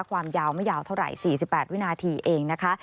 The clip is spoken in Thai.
ความยาวไม่ยาวเท่าไหร่๔๘วินาทีเองนะคะ